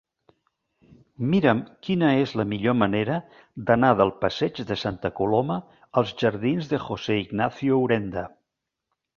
Mira'm quina és la millor manera d'anar del passeig de Santa Coloma als jardins de José Ignacio Urenda.